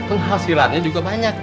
penghasilannya juga banyak